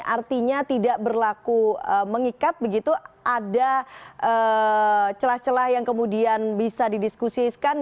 artinya tidak berlaku mengikat begitu ada celah celah yang kemudian bisa didiskusikan